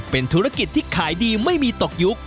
เป็นธุรกิจที่ขายดีไม่มีตกยุค